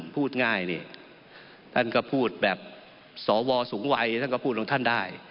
พูดง่ายนี่ท่านก็พูดแบบสวสูงวัยท่านก็พูดของท่านได้